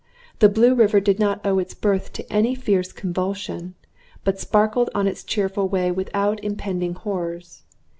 The Blue River did not owe its birth to any fierce convulsion, but sparkled on its cheerful way without impending horrors.